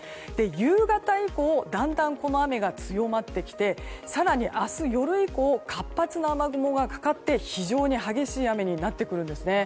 夕方以降だんだん雨が強まってきて更に、明日夜以降活発な雨雲がかかって非常に激しい雨になってくるんですね。